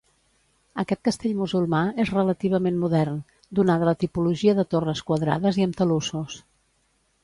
Aquest castell musulmà és relativament modern, donada la tipologia de torres quadrades i amb talussos.